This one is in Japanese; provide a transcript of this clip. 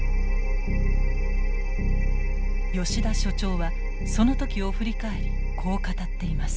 吉田所長はその時を振り返りこう語っています。